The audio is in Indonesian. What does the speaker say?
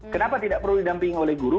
kenapa tidak perlu didampingi oleh guru